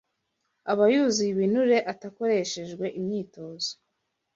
Aba yuzuye ibinure atakoreshejwe imyitozo